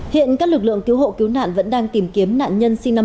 hiện các lực lượng cứu hộ cứu nạn vẫn đang tìm kiếm nạn nhân sinh năm một nghìn chín trăm